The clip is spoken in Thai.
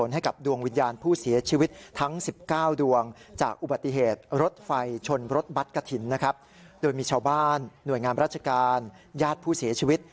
หน่วยงานราชการญาติผู้เสียชีวิต